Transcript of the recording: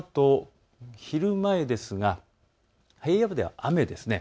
このあと昼前ですが、平野部では雨です。